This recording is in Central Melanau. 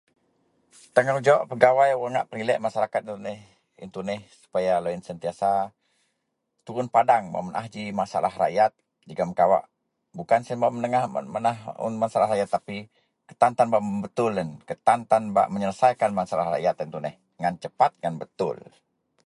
Tanggungjawab pegawai wak ngak peniliek masarakat iyen tuneh iyen tuneh supaya loyen sentiasa turun padang bak menaah ji masalah rakyat jegem kawak bukan siyen bak menaah un masalah rakyat tapi kutan tan bak mebetul kutan tan bak menyelesai masalah masarakat iyen tuneh dengan cepat dan betul.